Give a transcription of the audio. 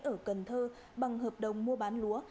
ở cần thơ bằng hợp đồng mua bán lúa